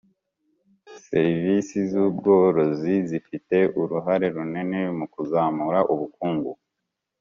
serivisi z ubworozi zifite uruhare runini mu kuzamura ubukungu